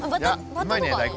バッタとか。